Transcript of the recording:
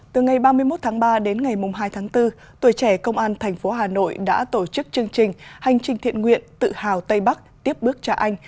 từ ngày ba mươi một tháng ba đến ngày hai tháng bốn tuổi trẻ công an tp hà nội đã tổ chức chương trình hành trình thiện nguyện tự hào tây bắc tiếp bước cho anh